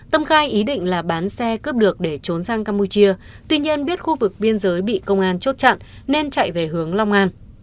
tâm khai ý định là bán xe cướp được để trốn sang campuchia tuy nhiên biết khu vực biên giới bị công an chốt chặn nên chạy về hướng long an